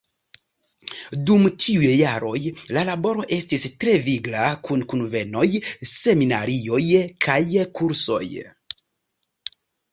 Dum tiuj jaroj la laboro estis tre vigla kun kunvenoj, seminarioj kaj kursoj.